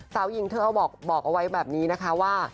สาวหญิงเธอเอาบอกเอาไว้แบบนี้นะคะว่า